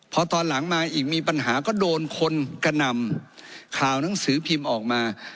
พอตอนหลังมาอีกมีปัญหาก็โดนคนกระหน่ำข่าวหนังสือพิมพ์ออกมา